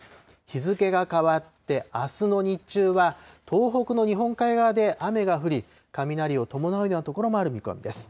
日付が変わってあすの日中は、東北の日本海側で雨が降り、雷を伴うような所もある見込みです。